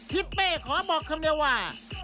ทิศเป้ขอบอกคำเดียวว่า